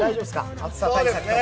暑さ対策は？